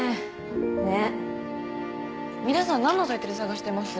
ねっ皆さんなんのサイトで探してます？